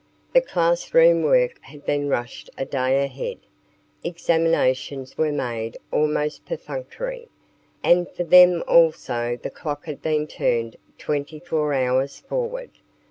The classroom work had been rushed a day ahead, examinations were made almost perfunctory, and for them also the clock had been turned twenty four hours forward.